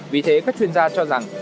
vì thế các chuyên gia cho rằng